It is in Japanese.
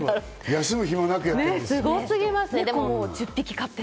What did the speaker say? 休む暇なくやってる。